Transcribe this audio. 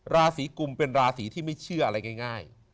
ราศีกุมเป็นราศีที่ไม่เชื่ออะไรง่าย